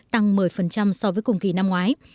tăng một mươi so với cùng kỳ năm ngoái